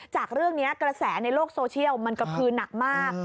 จากเรื่องนี้กระแสในโลกโซเชียลมันกระพือหนักมาก